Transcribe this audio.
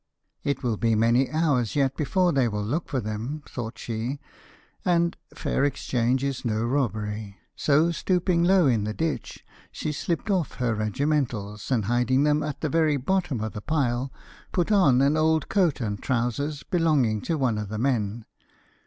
'It will be many hours yet before they will look for them,' thought she, 'and fair exchange is no robbery,' so stooping low in the ditch she slipped off her regimentals, and hiding them at the very bottom of the pile, put on an old coat and trousers belonging to one of the men.